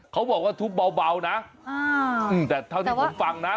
เขาบอกว่าทุบเบานะแต่เท่าที่ผมฟังนะ